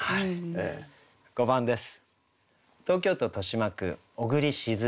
５番です。